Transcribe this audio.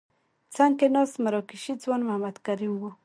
څنګ کې ناست مراکشي ځوان محمد کریم وو.